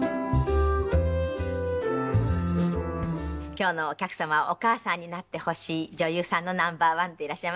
今日のお客様はお母さんになってほしい女優さんのナンバーワンでいらっしゃいます。